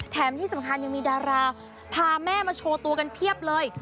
แถมที่สำคัญยังมีดาราพาแม่มาโชว์ตัวกันเพียบเลย